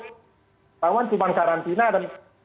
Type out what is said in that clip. kawan cuma karantina dan